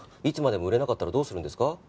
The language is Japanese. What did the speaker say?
いつまでも売れなかったらどうするんですか？